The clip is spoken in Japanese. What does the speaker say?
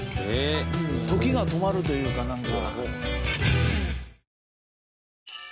時が止まるというか何か。